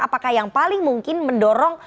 apakah yang paling mungkin mendorong